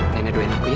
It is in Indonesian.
nenek doyan aku ya